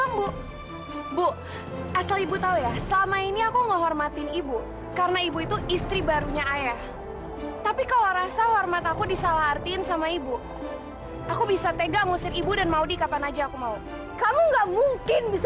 mami masih ada kesempatan mi